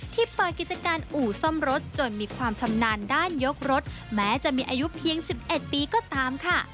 เปิดกิจการอู่ซ่อมรถจนมีความชำนาญด้านยกรถแม้จะมีอายุเพียง๑๑ปีก็ตามค่ะ